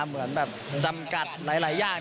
เหมือนแบบจำกัดหลายอย่าง